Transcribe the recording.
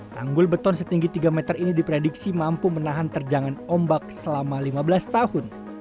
tanggul beton setinggi tiga meter ini diprediksi mampu menahan terjangan ombak selama lima belas tahun